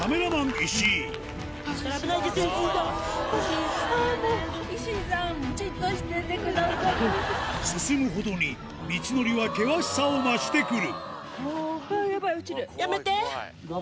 石井進むほどに道のりは険しさを増してくるやめて！